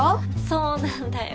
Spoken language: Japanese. そうなんだよ。